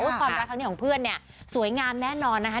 อุ๊ะกรณราคาของเพื่อนเนี่ยสวยงามแน่นอนนะฮะ